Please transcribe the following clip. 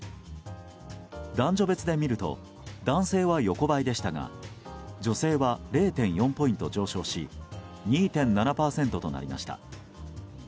男女別で見ると男性は横ばいでしたが女性は０．４ポイント上昇し２．７％となりました。